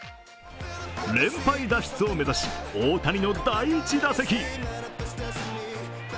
連敗脱出を目指し大谷の第１打席。